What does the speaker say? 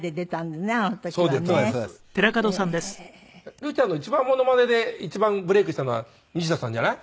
竜ちゃんの一番モノマネで一番ブレークしたのは西田さんじゃない？